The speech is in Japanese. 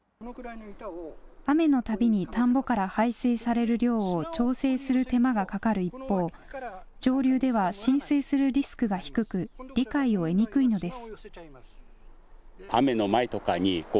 雨のたびに田んぼから排水される量を調整する手間がかかる一方、上流では浸水するリスクが低く理解を得にくいのです。